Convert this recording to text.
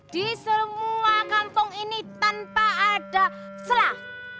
di semua kampung ini tanpa ada selah